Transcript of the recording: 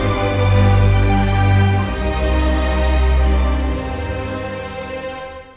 โปรดติดตามตอนต่อไป